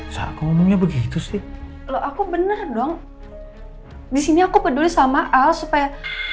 saya ngomongnya begitu sih aku bener dong di sini aku peduli sama al supaya